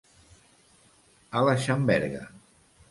A la xamberga.